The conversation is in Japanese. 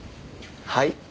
はい？